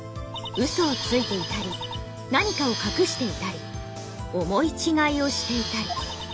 ウソをついていたり何かを隠していたり思い違いをしていたり。